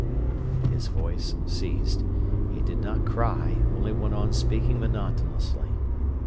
'" His voice ceased. He did not cry, only went on speaking monotonously.